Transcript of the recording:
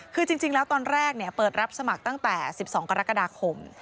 คือจริงแล้วตอนแรกเปิดรับสมัครตั้งแต่๑๒กรกฎาคม